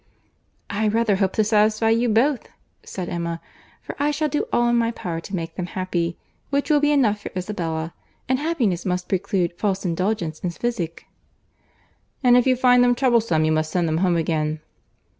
"I rather hope to satisfy you both," said Emma, "for I shall do all in my power to make them happy, which will be enough for Isabella; and happiness must preclude false indulgence and physic." "And if you find them troublesome, you must send them home again."